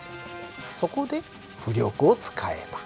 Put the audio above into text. そこで浮力を使えば。